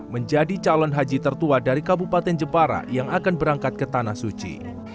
menjadi calon haji tertua dari kabupaten jepara yang akan berangkat ke tanah suci